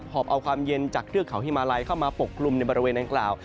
อบเอาความเย็นจากเทือกเขาฮิมาลัยเข้ามาปกกลุ่มในบริเวณดังกล่าว